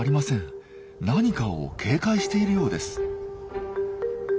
何かを警戒しているようです。